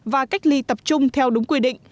và cách ly tập trung theo đúng quy định